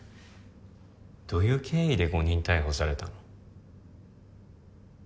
どういう経緯で誤認逮捕されたの？